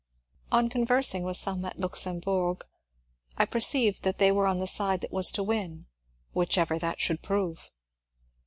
On conversing with some at Luxembourg, I perceived that they were on the side that was to win, which ever that should prove.